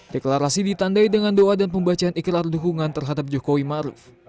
deklarasi ditandai dengan doa dan pembacaan iklan dukungan terhadap jokowi ma'ruf